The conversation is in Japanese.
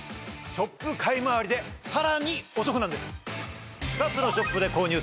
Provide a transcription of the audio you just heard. ショップ買いまわりでさらにお得なんです！